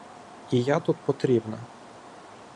І я тут потрібна.